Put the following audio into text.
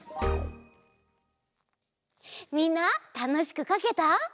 みんなたのしくかけた？